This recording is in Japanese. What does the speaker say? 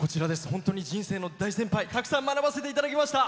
人生の大先輩たくさん学ばせていただきました。